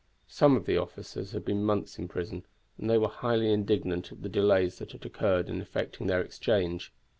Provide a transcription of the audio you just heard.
Some of the officers had been months in prison, and they were highly indignant at the delays that had occurred in effecting their exchange.